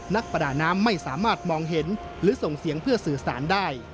นักประดาน้ำไม่สามารถมองเห็นหรือส่งเสียงเพื่อสื่อสารได้